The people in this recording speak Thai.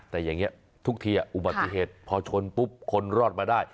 แต่อย่างนี้ทุกทีอุบัติเหตุพอชนปุ๊บคนรอดมาได้